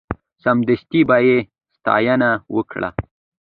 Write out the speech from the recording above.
سمدستي به یې ستاینه وکړه.